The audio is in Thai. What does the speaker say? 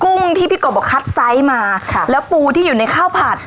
ุ้งที่พี่กบบอกคัดไซส์มาค่ะแล้วปูที่อยู่ในข้าวผัด